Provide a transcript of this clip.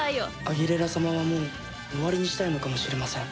アギレラ様はもう終わりにしたいのかもしれません。